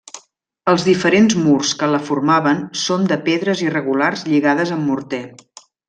Els diferents murs que la formaven són de pedres irregulars lligades amb morter.